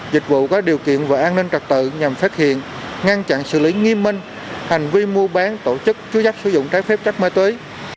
dịch vụ có điều kiện về an ninh trật tự nhằm phát hiện ngăn chặn xử lý nghiêm minh hành vi mua bán tổ chức chú dắt sử dụng trái phép chất ma túy